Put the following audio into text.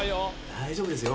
大丈夫ですよ